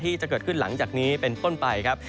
ที่จะเกิดขึ้นหลังจากนี้เป็นต้นไปครับ